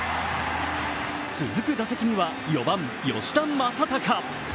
続く打席には４番・吉田正尚。